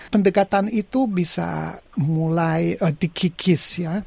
pendekatan itu bisa mulai dikikis ya